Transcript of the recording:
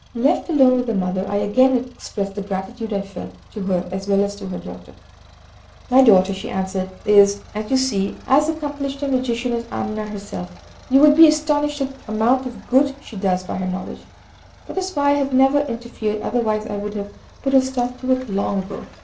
Left alone with the mother, I again expressed the gratitude I felt, to her as well as to her daughter. "My daughter," she answered, "is, as you see, as accomplished a magician as Amina herself, but you would be astonished at the amount of good she does by her knowledge. That is why I have never interfered, otherwise I should have put a stop to it long ago."